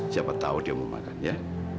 siapa tau dia mau makan ya